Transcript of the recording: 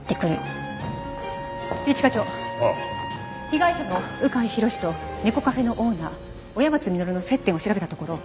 被害者の鵜飼博と猫カフェのオーナー親松実の接点を調べたところ